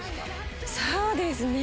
そうですね。